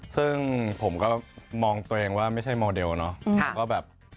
ซึ่งผมก็มองตัวเองว่าไม่ใช่โมเดลเนาะ